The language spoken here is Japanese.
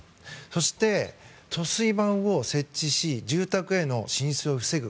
そして、止水板を設置し住宅への浸水を防ぐ。